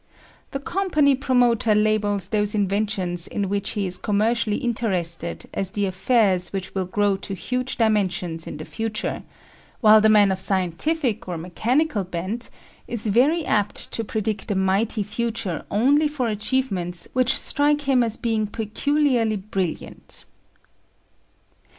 The company promoter labels those inventions in which he is commercially interested as the affairs which will grow to huge dimensions in the future; while the man of scientific or mechanical bent is very apt to predict a mighty future only for achievements which strike him as being peculiarly brilliant.